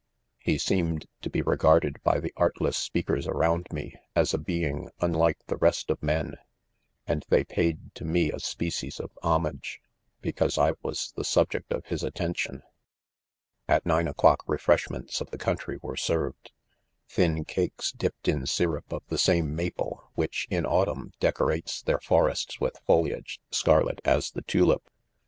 4 He seemed to be regarded by the artless speakers around me, as a being unlike the rest of men $ and they paid to me a species of hom age, because I was the subject of his attention. * At nine o'clock refreshments of the coun try were served ; thin cakes, dipped in syrup of the same maple, which, inautufen, decorates their forests with foliage scarlet as the tujip